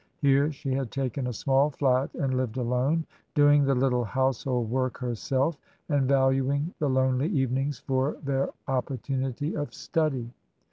Here she had taken a small flat and lived alone, doing the little household work herself, and valuing the lonely evenings for their opportunity of study.